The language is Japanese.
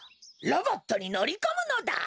ロボットにのりこむのだ。